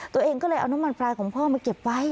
ตัวเองก็เลยเอาน้ำมันปลายของพ่อมาเก็บไว้